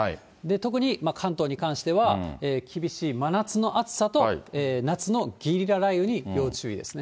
特に関東に関しては、厳しい真夏の暑さと夏のゲリラ雷雨に要注意ですね。